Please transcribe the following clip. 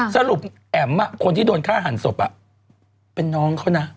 สะรุปแอมคนที่โดนฆ่าหั่นศพเป็นน้องเขาน่ะ